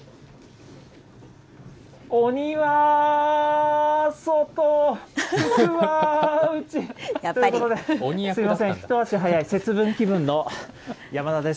鬼は外、福は内！ということで、すみません、一足早い節分気分の山田です。